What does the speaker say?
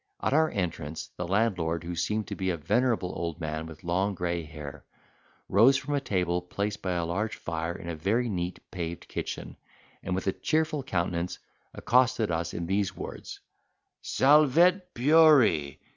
At our entrance the landlord, who seemed to be a venerable old man, with long gray hair, rose from a table placed by a large fire in a very neat paved kitchen, and with a cheerful countenance accosted us in these words: "Salvete, pueri.